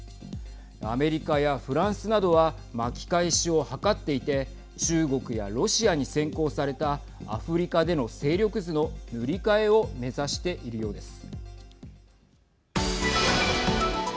アメリカやフランスなどは巻き返しを図っていて中国やロシアに先行されたアフリカでの勢力図の塗り替えを目指しているようです。